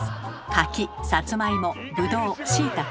柿さつまいもぶどうしいたけ。